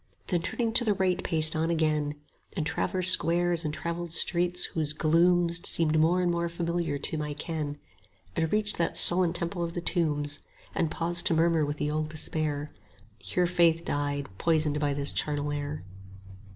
Then turning to the right paced on again, And traversed squares and travelled streets whose glooms Seemed more and more familiar to my ken; And reached that sullen temple of the tombs; 40 And paused to murmur with the old despair, Hear Faith died, poisoned by this charnel air.